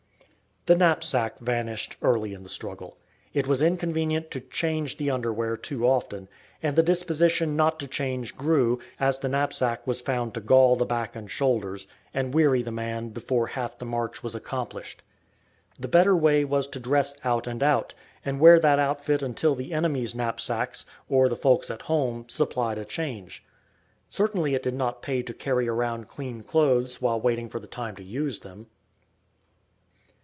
The knapsack vanished early in the struggle. It was inconvenient to "change" the underwear too often, and the disposition not to change grew, as the knapsack was found to gall the back and shoulders, and weary the man before half the march was accomplished. The better way was to dress out and out, and wear that outfit until the enemy's knapsacks, or the folks at home supplied a change. Certainly it did not pay to carry around clean clothes while waiting for the time to use them.